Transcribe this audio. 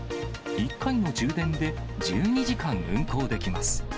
１回の充電で１２時間運航できます。